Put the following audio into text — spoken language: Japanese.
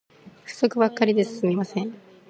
不足ばっかりで進みません